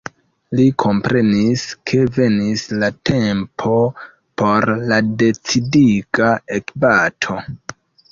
Li komprenis, ke venis la tempo por la decidiga ekbato.